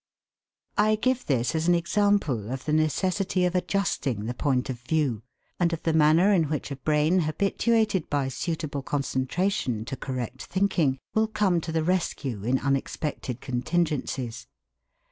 I give this as an example of the necessity of adjusting the point of view, and of the manner in which a brain habituated by suitable concentration to correct thinking will come to the rescue in unexpected contingencies.